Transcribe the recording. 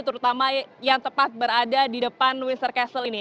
terutama yang tepat berada di depan windsor castle ini